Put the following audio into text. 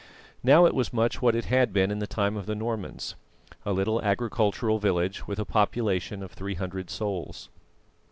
Now it was much what it had been in the time of the Normans, a little agricultural village with a population of 300 souls.